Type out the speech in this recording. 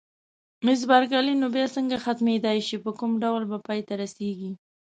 مس بارکلي: نو بیا څنګه ختمېدای شي، په کوم ډول به پای ته رسېږي؟